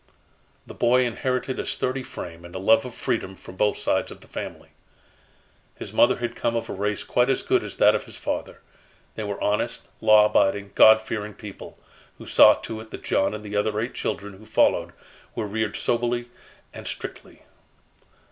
The boy inherited a sturdy frame and a love of freedom from both sides of the family. His mother had come of a race quite as good as that of his father. They were honest, law abiding, God fearing people, who saw to it that John and the other eight children who followed were reared soberly and strictly.